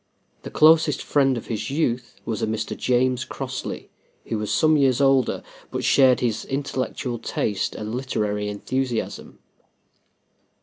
The closest friend of his youth was a Mr. James Crossley, who was some years older, but shared his intellectual taste and literary enthusiasm.